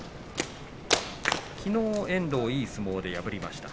きのうはいい相撲で破りました。